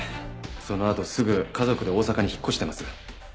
そのあとすぐ家族で大阪に引っ越してます。